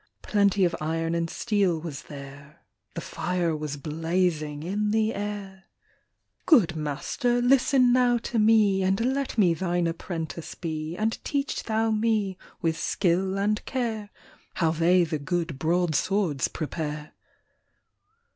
Plenty of iron and steel was there ; The fire was blazing in the air. SIEGFRIED'S SWORD. 81 " Good master, listen now to me, Aid let me thine apprentice be ;" And teach thou me, with skill and care. How they the good broadswords prepare."